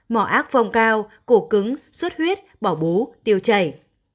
mỏ ác phong cao cổ cứng suất huyết bỏ bú tiêu chảy